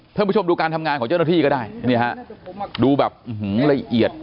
ท่านผู้ชมดูการทำงานของเจ้าหน้าที่ก็ได้นี่ฮะดูแบบละเอียด